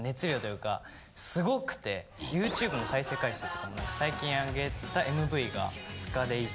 ＹｏｕＴｕｂｅの再生回数とかも最近あげたＭＶが。